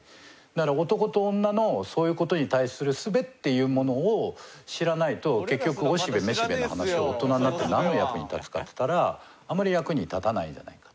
なら男と女のそういう事に対する術っていうものを知らないと結局おしべめしべの話を大人になってなんの役に立つかっていったらあまり役に立たないんじゃないか。